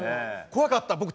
怖かった。